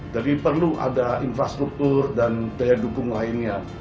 jadi perlu ada infrastruktur dan daya dukung lainnya